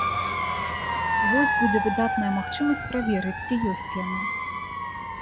Вось будзе выдатная магчымасць праверыць, ці ёсць яны.